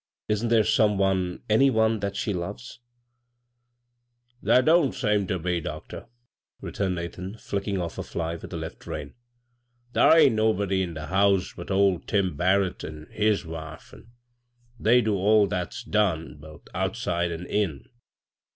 Isn't there some one, any one that she loves ?"" Thar don't seem ter be, doctor," returned Nathan, flicking off a fly with the left reia " Thar ain't nobody in die house but old Tim Barrett an' his wife ; an' they do all thaf s done, both outside an' in.